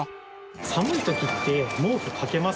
寒い時って毛布かけます？